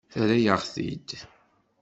Terra-yaɣ-t-id.